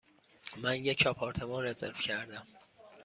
من یک آپارتمان رزرو کردم.